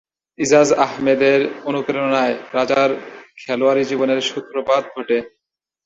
ইজাজ আহমেদের অনুপ্রেরণায় রাজার খেলোয়াড়ী জীবনের সূত্রপাত ঘটে।